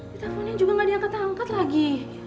di teleponnya juga gak ada yang kata angkat lagi